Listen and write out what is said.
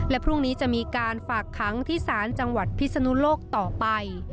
และพรุ่งนี้จะมีการฝากขังที่ศาลจังหวัดพิศนุโลกต่อไป